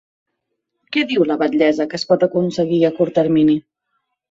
Què diu la batllessa que es pot aconseguir a curt termini?